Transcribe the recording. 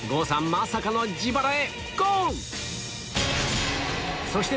まさかの自腹へゴーそして